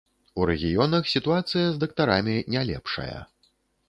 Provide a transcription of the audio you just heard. У рэгіёнах сітуацыя з дактарамі не лепшая.